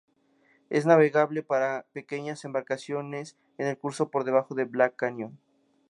Es navegable para pequeñas embarcaciones en el curso por debajo de Black Canyon.